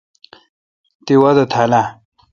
تی وادہ تھا اؘ ۔